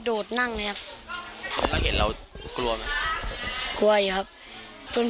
โดดนั่งเลยครับเราเห็นเรากลัวไหมกลัวอยู่ครับจน